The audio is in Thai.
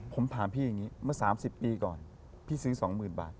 ผมถามพี่อย่างนี้เมื่อ๓๐ปีก่อนพี่ซื้อ๒๐๐๐บาท